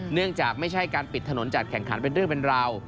เนื่องจากไม่ใช่การปิดถนนจัดแข่งขันเป็นเรื่องเป็นราว